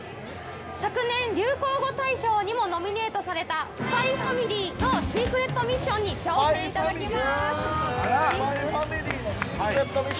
昨年、流行語大賞にもノミネートされた「ＳＰＹｘＦＡＭＩＬＹ」のシークレットミッションに挑戦いただきます。